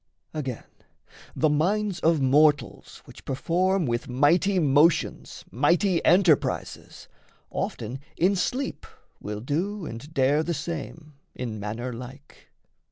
Again, the minds of mortals which perform With mighty motions mighty enterprises, Often in sleep will do and dare the same In manner like.